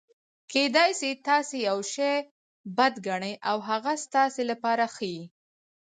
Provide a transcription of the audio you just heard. کېدای سي تاسي یوشي بد ګڼى او هغه ستاسي له پاره ښه يي.